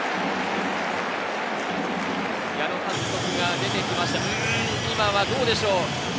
矢野監督が出てきまして、うん、今はどうでしょう。